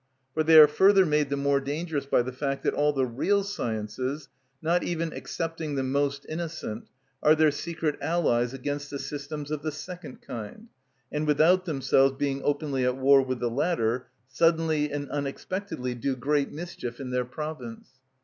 For they are further made the more dangerous by the fact that all the real sciences, not even excepting the most innocent, are their secret allies against the systems of the second kind, and without themselves being openly at war with the latter, suddenly and unexpectedly do great mischief in their province.